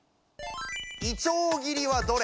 「いちょう切りはどれ？」。